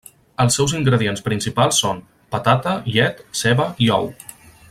Els seus ingredients principals són: patata, llet, ceba i ou.